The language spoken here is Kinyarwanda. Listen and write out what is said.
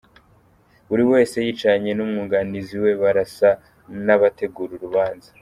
Buri wese yicaranye n’umwunganizi we barasa n’abategura urubanza.